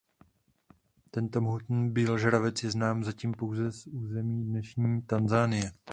Tento mohutný býložravec je znám zatím pouze z území dnešní Tanzanie.